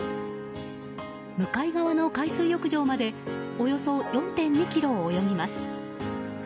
向かい側の海水浴場までおよそ４．２ｋｍ泳ぎます。